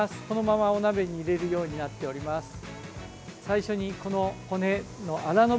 このままお鍋に入れるようになっております。